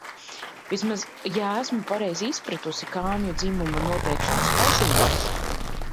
Vismaz, ja esmu pareizi izpratusi kāmju dzimuma noteikšanas pazīmes...